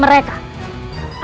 mereka pasti tidak jauh